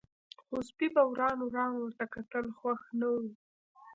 خو سپي په وران وران ورته کتل، خوښ نه و.